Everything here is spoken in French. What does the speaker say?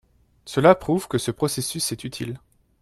Cela prouve que ce processus est utile.